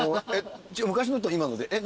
昔のと今のでえっ？